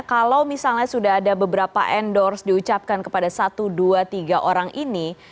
kalau misalnya sudah ada beberapa endorse diucapkan kepada satu dua tiga orang ini